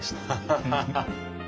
ハハハハ。